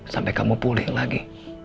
sampai kamu pulih lagi